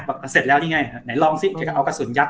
บอกว่าเสร็จแล้วนี่ไงไหนลองสิเดี๋ยวก็เอากระสุนยักษ์